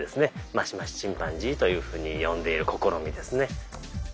マシマシチンパンジーというふうに呼んでいる試みですね。